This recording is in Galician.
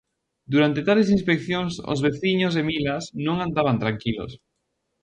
Durante tales inspeccións, os veciños de Milas non andaban tranquilos.